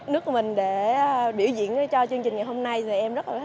nước của mình để biểu diễn cho chương trình ngày hôm nay em rất là tự hào